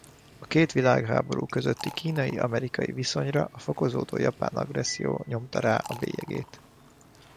A két világháború közötti kínai-amerikai viszonyra a fokozódó japán agresszió nyomta rá a bélyegét.